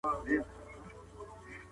هغوی د ماشینونو فرسایش په پام کي ونیوه.